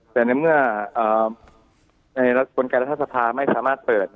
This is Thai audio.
แต่ในเมื่อในกลไกรรัฐสภาไม่สามารถเปิด